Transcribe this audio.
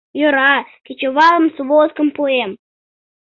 Йӧра, кечывалым сводкым пуэм...